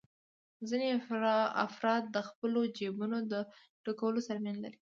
ځینې افراد د خپلو جېبونو ډکولو سره مینه لري